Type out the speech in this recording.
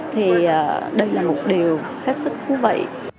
thì đây là một điều hết sức thú vị